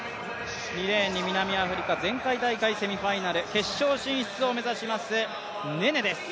２レーンに南アフリカ、前回大会セミファイナル、決勝進出を目指します、ネネです。